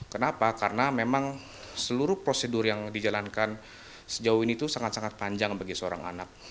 kenapa karena memang seluruh prosedur yang dijalankan sejauh ini itu sangat sangat panjang bagi seorang anak